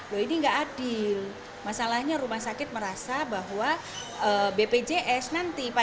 loh ini nggak adil masalahnya rumah sakit merasa bahwa bpjs nanti